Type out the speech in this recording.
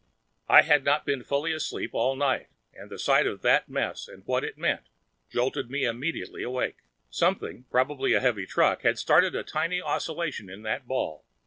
I had not been fully asleep all night, and the sight of that mess, and what it meant, jolted me immediately awake. Something, probably a heavy truck, had started a tiny oscillation in that ball.